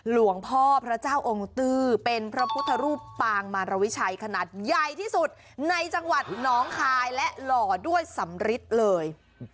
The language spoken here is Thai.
หลวงพ่อพระเจ้าองค์ตื้อเป็นพระพุทธรูปปางมารวิชัยขนาดใหญ่ที่สุดในจังหวัดน้องคายและหล่อด้วยสำริทเลย